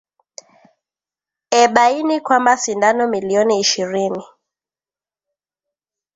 ebaini kwamba sindano milioni ishirini